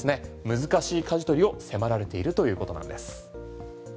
難しい舵取りを迫られているということなんです。